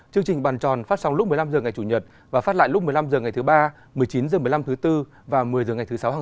cảm ơn các bạn